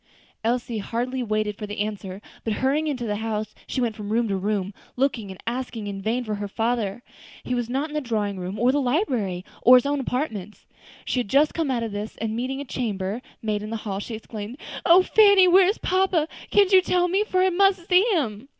Elsie hardly waited for the answer, but hurrying into the house, went from room to room, looking and asking in vain for her father. He was not in the drawing room, or the library, or his own apartments. She had just come out of this, and meeting a chamber maid in the hall, she exclaimed, "O Fanny! where is papa? can't you tell me? for I must see him."